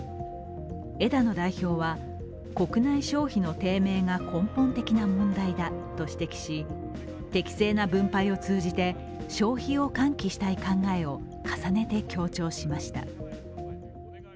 枝野代表は国内消費の低迷が根本的な問題だと指摘し適正な分配を通じて消費を喚起したい考えを重ねて強調しました。